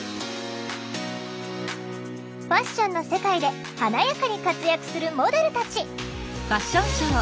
ファッションの世界で華やかに活躍するモデルたち。